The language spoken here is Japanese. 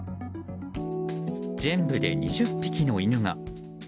全部で２０匹の犬が。